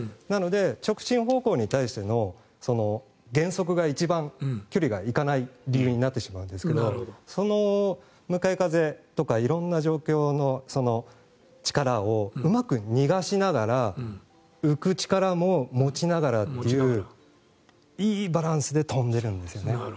なので直進方向に対しての減速が一番距離がいかない理由になってしまうんですがその向かい風とか色んな状況の力をうまく逃がしながら浮く力も持ちながらといういいバランスで飛んでるんですね。